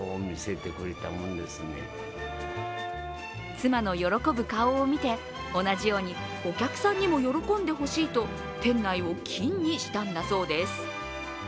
妻の喜ぶ顔を見て、同じようにお客さんにも喜んでほしいと店内を金にしたんだそうです。